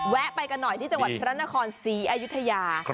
แวะไปกันหน่อยที่จังหวัดพระนครศรีอายุทยา